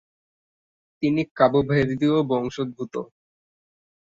তিনি কাবু ভের্দীয় বংশোদ্ভূত।